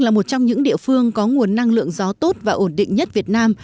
với tốc độ cao tổng công sức gió tốt và ổn định nhất việt nam